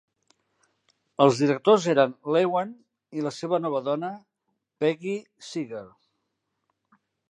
Els directors eren l'Ewan i la seva nova dona, Peggy Seeger.